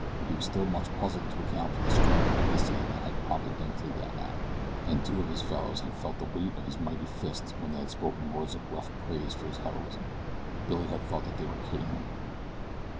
He was still much puzzled to account for the strange idiocy that had prompted him to that act; and two of his fellows had felt the weight of his mighty fist when they had spoken words of rough praise for his heroism Billy had thought that they were kidding him.